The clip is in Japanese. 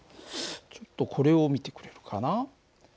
ちょっとこれを見てくれるかな。